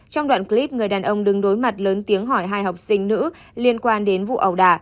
trong đoạn clip người đàn ông đứng đối mặt lớn tiếng hỏi hai học sinh nữ liên quan đến vụ ẩu đà